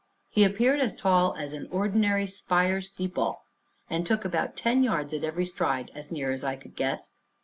He appeared as tall as an ordinary spire steeple, and took about ten yards at every stride, as near as I could guess.